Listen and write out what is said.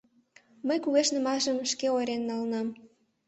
«... мый кугешнымашым шке ойырен налынам.